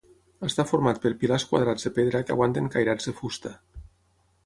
Està format per pilars quadrats de pedra que aguanten cairats de fusta.